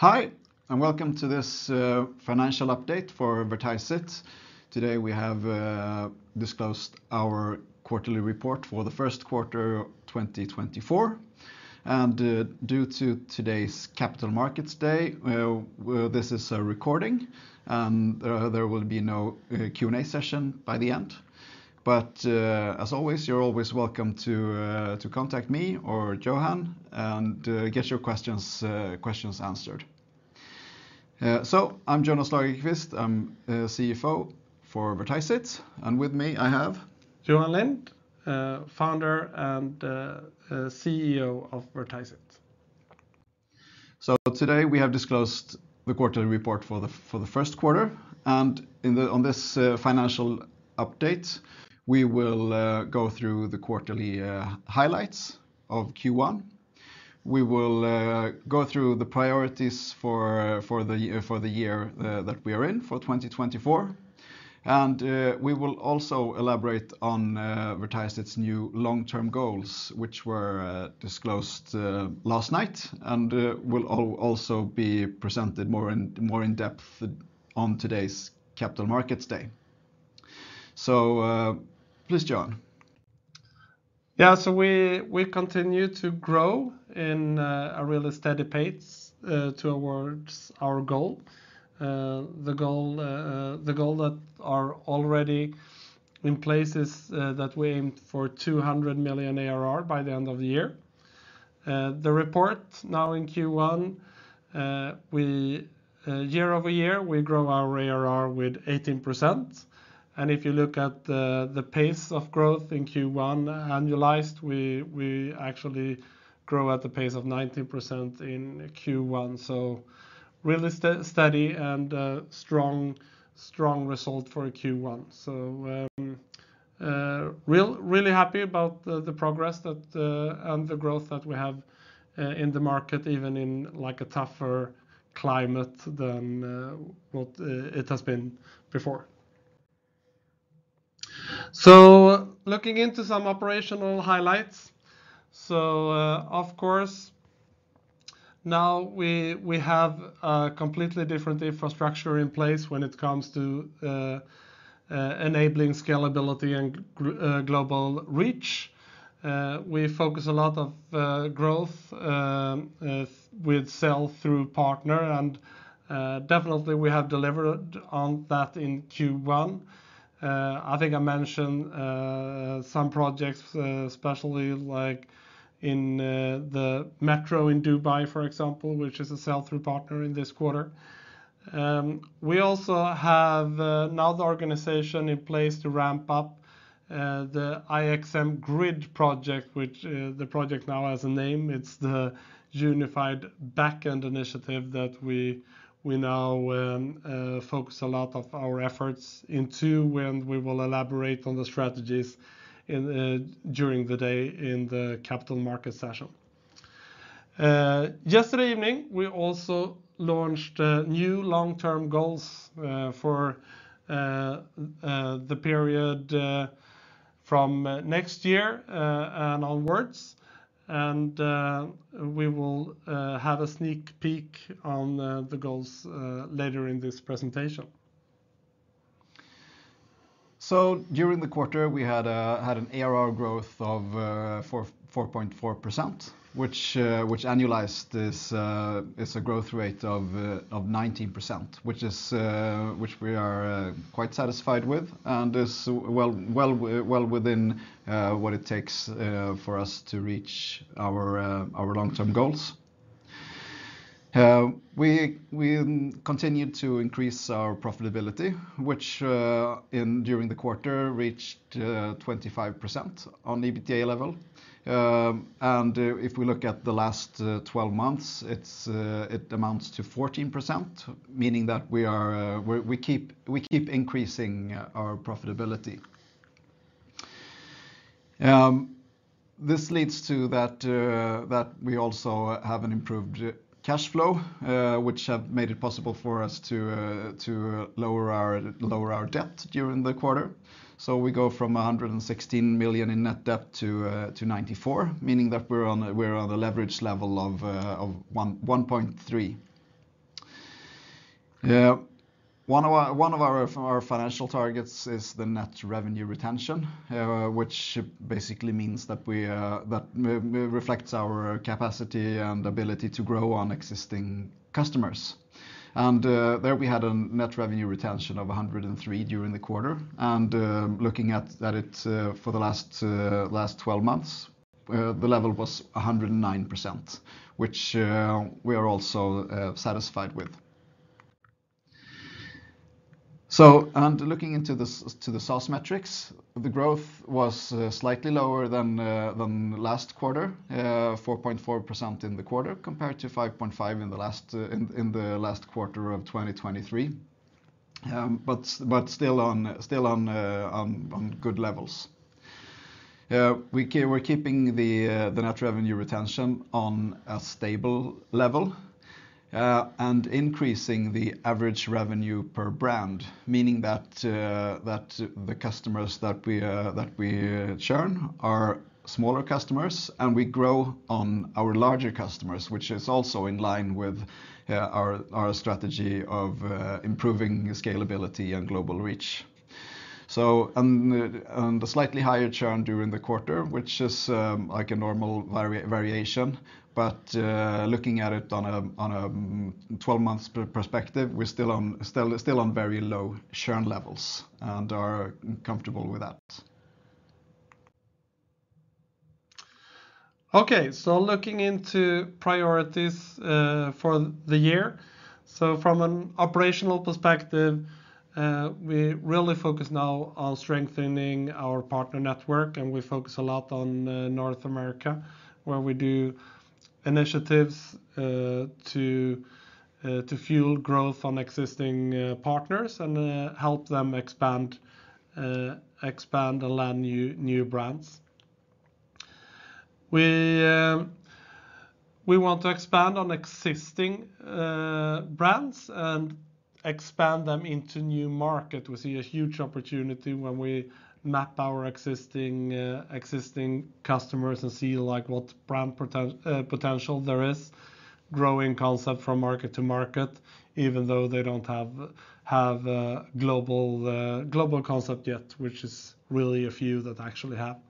Hi, and welcome to this financial update for Vertiseit. Today, we have disclosed our quarterly report for the first quarter of 2024. And due to today's Capital Markets Day, well, this is a recording, and there will be no Q&A session by the end. But as always, you're always welcome to contact me or Johan and get your questions answered. So I'm Jonas Lagerqvist. I'm CFO for Vertiseit, and with me I have? Johan Lind, founder and CEO of Vertiseit. So today, we have disclosed the quarterly report for the first quarter, and on this financial update, we will go through the quarterly highlights of Q1. We will go through the priorities for the year that we are in, for 2024. And we will also elaborate on Vertiseit's new long-term goals, which were disclosed last night, and will also be presented more in depth on today's Capital Markets Day. So, please, Johan. Yeah, so we continue to grow in a really steady pace towards our goal. The goal that are already in places that we aimed for 200 million ARR by the end of the year. The report now in Q1, year-over-year we grow our ARR with 18%, and if you look at the pace of growth in Q1, annualized, we actually grow at the pace of 19% in Q1, so really steady and strong result for a Q1. So, really happy about the progress and the growth that we have in the market, even in, like, a tougher climate than what it has been before. Looking into some operational highlights, of course, now we have a completely different infrastructure in place when it comes to enabling scalability and global reach. We focus a lot of growth with sell-through partner, and definitely we have delivered on that in Q1. I think I mentioned some projects, especially like in the metro in Dubai, for example, which is a sell-through partner in this quarter. We also have another organization in place to ramp up the IXM Grid project, which the project now has a name. It's the Unified Backend Initiative that we now focus a lot of our efforts into, and we will elaborate on the strategies during the day in the capital markets session. Yesterday evening, we also launched new long-term goals for the period from next year and onwards, and we will have a sneak peek on the goals later in this presentation. So during the quarter, we had an ARR growth of 4.4%, which annualized is a growth rate of 19%, which we are quite satisfied with, and is well within what it takes for us to reach our long-term goals. We continued to increase our profitability, which in during the quarter reached 25% on EBITDA level. And if we look at the last 12 months, it amounts to 14%, meaning that we keep increasing our profitability. This leads to that we also have an improved cash flow, which have made it possible for us to lower our debt during the quarter. So we go from 116 million in net debt to 94 million, meaning that we're on a leverage level of 1.3. One of our financial targets is the Net Revenue Retention, which basically means that reflects our capacity and ability to grow on existing customers. And there we had a Net Revenue Retention of 103% during the quarter. And looking at that, it's for the last twelve months the level was 109%, which we are also satisfied with. Looking into the SaaS metrics, the growth was slightly lower than last quarter, 4.4% in the quarter, compared to 5.5% in the last quarter of 2023. But still on good levels. We're keeping the net revenue retention on a stable level, and increasing the average revenue per brand, meaning that the customers that we churn are smaller customers, and we grow on our larger customers, which is also in line with our strategy of improving scalability and global reach. And a slightly higher churn during the quarter, which is like a normal variation. Looking at it on a 12-month perspective, we're still on very low churn levels and are comfortable with that. Okay, so looking into priorities for the year: so from an operational perspective, we really focus now on strengthening our partner network, and we focus a lot on North America, where we do initiatives to fuel growth on existing partners and help them expand and land new brands. We want to expand on existing brands and expand them into new market. We see a huge opportunity when we map our existing customers and see, like, what brand potential there is, growing concept from market to market, even though they don't have a global concept yet, which is really a few that actually have.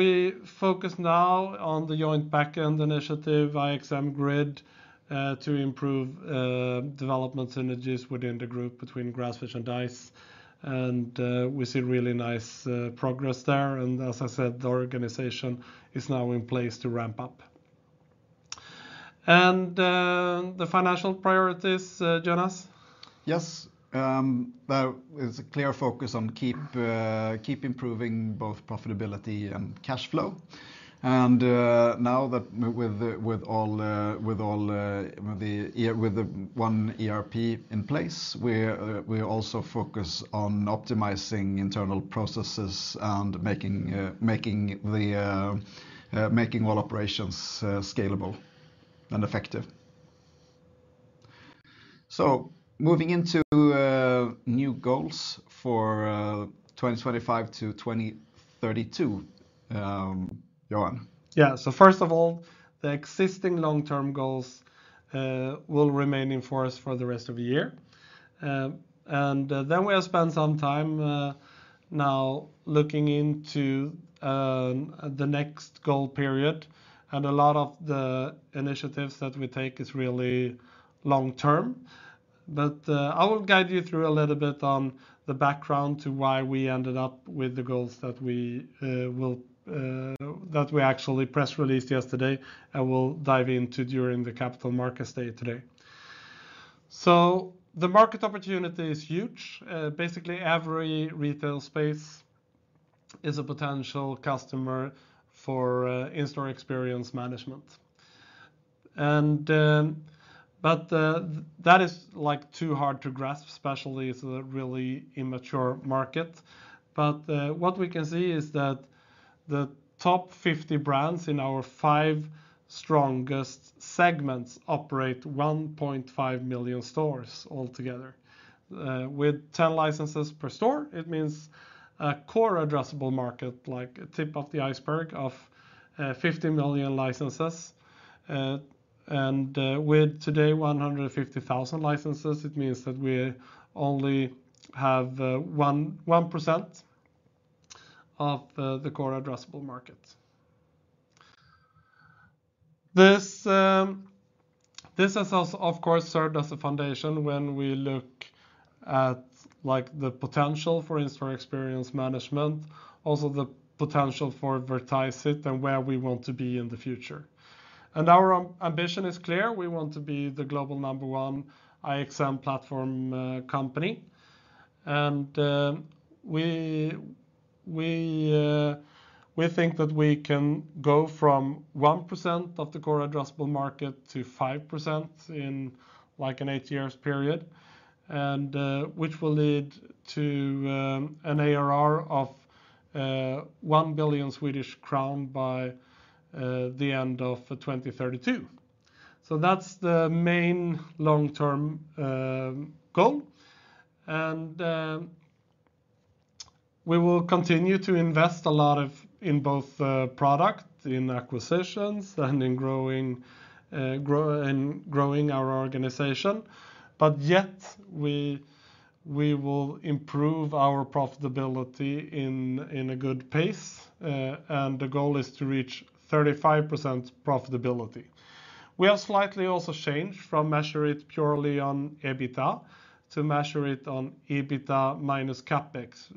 We focus now on the joint backend initiative, IXM Grid, to improve development synergies within the group between Grassfish and Dise, and we see really nice progress there. As I said, the organization is now in place to ramp up. The financial priorities, Jonas? Yes, there is a clear focus on keeping improving both profitability and cash flow. Now that with the one ERP in place, we also focus on optimizing internal processes and making all operations scalable and effective. So moving into new goals for 2025-2032, Johan. Yeah. So first of all, the existing long-term goals will remain in force for the rest of the year. And then we have spent some time now looking into the next goal period, and a lot of the initiatives that we take is really long term. But I will guide you through a little bit on the background to why we ended up with the goals that we actually press released yesterday and will dive into during the Capital Markets Day today. So the market opportunity is huge. Basically, every retail space is a potential customer for In-store Experience Management. But that is, like, too hard to grasp, especially it's a really immature market. But what we can see is that the top 50 brands in our 5 strongest segments operate 1.5 million stores altogether. With 10 licenses per store, it means a core addressable market, like a tip of the iceberg, of 50 million licenses. And with today, 150,000 licenses, it means that we only have 1% of the core addressable market. This has of course served as a foundation when we look at, like, the potential for In-store Experience Management, also the potential for Vertiseit and where we want to be in the future. And our ambition is clear: we want to be the global number one IXM platform company. We think that we can go from 1% of the core addressable market to 5% in, like, an 8-year period, which will lead to an ARR of 1 billion Swedish crown by the end of 2032. So that's the main long-term goal, and we will continue to invest a lot in both product, in acquisitions, and in growing our organization. But yet, we will improve our profitability in a good pace, and the goal is to reach 35% profitability. We have slightly also changed from measure it purely on EBITDA to measure it on EBITDA minus CapEx,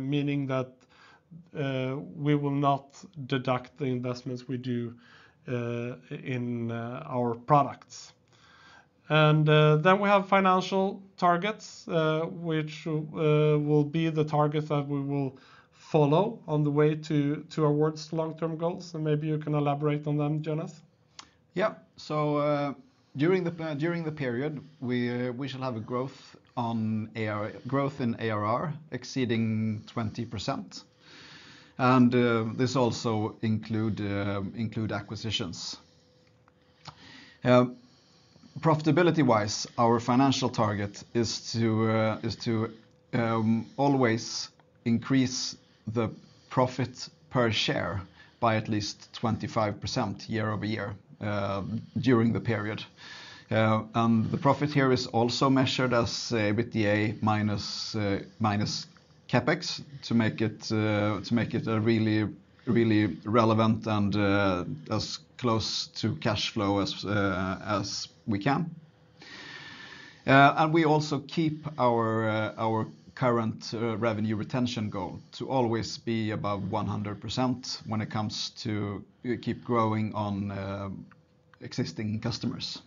meaning that we will not deduct the investments we do in our products. Then we have financial targets, which will be the targets that we will follow on the way to, towards long-term goals, and maybe you can elaborate on them, Jonas. Yeah. So, during the period, we shall have growth in ARR exceeding 20%, and this also includes acquisitions. Profitability-wise, our financial target is to always increase the profit per share by at least 25% year-over-year during the period. And the profit here is also measured as EBITDA minus CapEx to make it a really relevant and as close to cash flow as we can. And we also keep our current revenue retention goal to always be above 100% when it comes to keep growing on existing customers.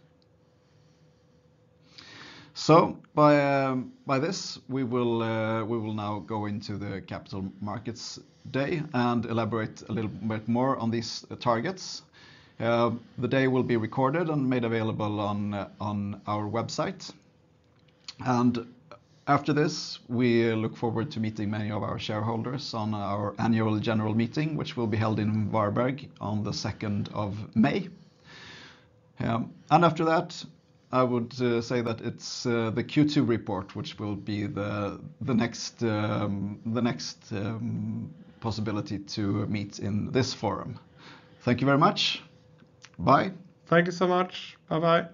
So by this, we will now go into the Capital Markets Day and elaborate a little bit more on these targets. The day will be recorded and made available on our website. After this, we look forward to meeting many of our shareholders on our annual general meeting, which will be held in Varberg on the 2nd of May. And after that, I would say that it's the Q2 report, which will be the next possibility to meet in this forum. Thank you very much. Bye. Thank you so much. Bye-bye.